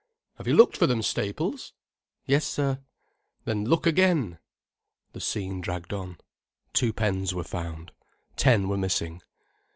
Have you looked for them, Staples?" "Yes, sir." "Then look again." The scene dragged on. Two pens were found: ten were missing.